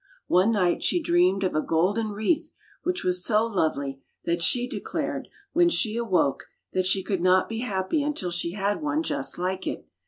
One night she dreamed of a golden wreath which was so lovely that she declared, when she awoke, that she could not be happy until she had one just like it.